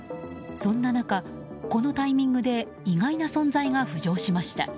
そんな中、このタイミングで意外な存在が浮上しまいた。